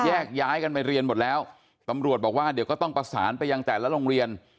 แยกย้ายกันไปเรียนหมดแล้วตำรวจบอกว่าเดี๋ยวก็ต้องประสานไปยังแต่ละโรงเรียน